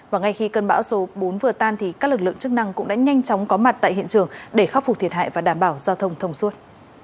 và ngay khi cơn bão số bốn vừa tan thì các lực lượng chức năng cũng đã nhanh chóng có mặt tại hiện trường để khắc phục thiệt hại và đảm bảo giao thông thông suốt